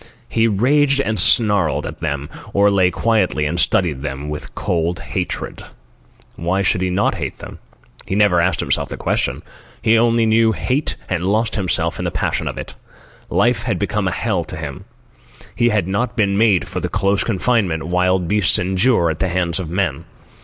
He raged and snarled at them, or lay quietly and studied them with cold hatred. Why should he not hate them? He never asked himself the question. He knew only hate and lost himself in the passion of it. Life had become a hell to him. He had not been made for the close confinement wild beasts endure at the hands of men.